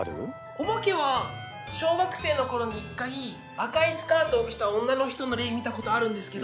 お化けは小学生の頃に一回赤いスカートを着た女の人の霊見たことあるんですけど。